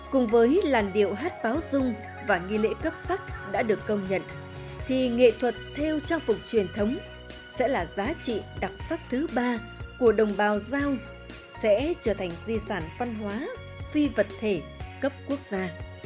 cùng với làn điệu hát báo dung và nghi lễ cấp sắc đã được công nhận thì nghệ thuật theo trang phục truyền thống sẽ là giá trị đặc sắc thứ ba của đồng bào giao sẽ trở thành di sản văn hóa phi vật thể cấp quốc gia